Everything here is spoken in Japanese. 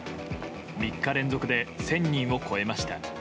３日連続で１０００人を超えました。